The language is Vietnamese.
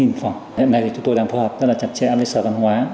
hôm nay chúng tôi đang phù hợp rất là chặt chẽ với sở văn hóa